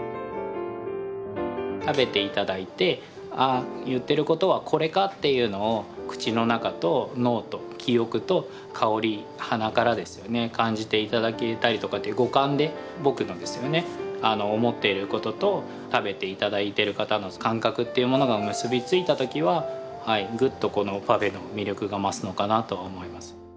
食べて頂いて「あ言ってることはこれか」っていうのを口の中と脳と記憶と香り鼻からですよね感じて頂けたりとか五感で僕の思っていることと食べて頂いてる方の感覚というものが結びついた時はグッとこのパフェの魅力が増すのかなとは思います。